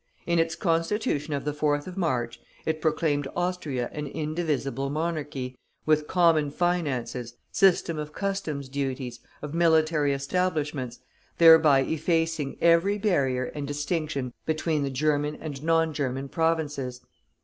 In its Constitution of the 4th of March, it proclaimed Austria an indivisible monarchy, with common finances, system of customs duties, of military establishments, thereby effacing every barrier and distinction between the German and non German provinces.